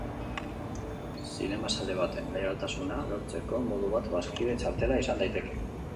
Zinemazale baten leialtasuna lortzeko modu bat bazkide txartela izan daiteke.